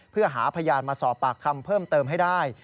เพื่อหาพยานมาสอบปากคำเพิ่มเติมให้ได้